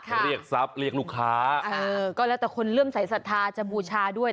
ก็เเท่าเรื่องตะคุณศัยสัตธาจะบูชาด้วย